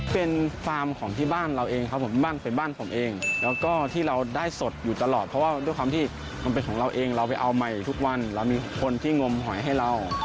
เป็นฟาร์มของที่บ้านเราเองครับผมบ้านเป็นบ้านผมเองแล้วก็ที่เราได้สดอยู่ตลอดเพราะว่าด้วยความที่มันเป็นของเราเองเราไปเอาใหม่ทุกวันเรามีคนที่งมหอยให้เรา